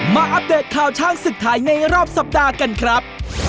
อัปเดตข่าวช้างศึกไทยในรอบสัปดาห์กันครับ